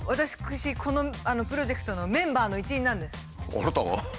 あなたが？